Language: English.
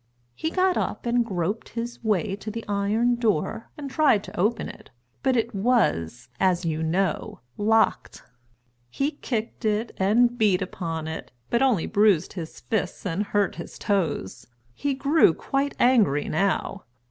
He got up and groped his way to the iron door and tried to open it, but it was as you know locked. He kicked it, and beat upon it, but he only bruised his fists and hurt his toes. He grew quite angry now.